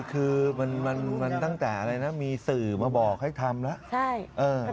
คือมันมันตั้งแต่อะไรนะมีสื่อมาบอกให้ทำแล้ว